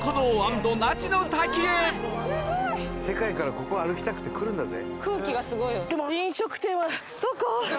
世界からここを歩きたくて来るんだぜ。